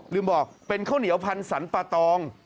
ลืมบอกเป็นข้าวเหนียวพันธ์สันปะตอง